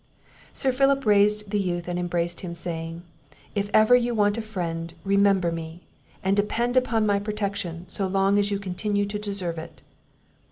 Sir Philip raised the youth and embraced him, saying, "If ever you want a friend, remember me; and depend upon my protection, so long as you continue to deserve it."